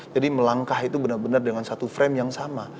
jadi melangkah itu benar benar dengan satu frame yang sama